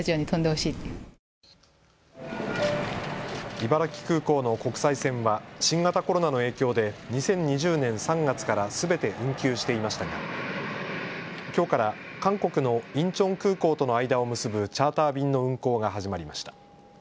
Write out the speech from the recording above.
茨城空港の国際線は新型コロナの影響で２０２０年３月からすべて運休していましたがきょうから韓国のインチョン空港との間を結ぶチャーター便の運航が始まりました。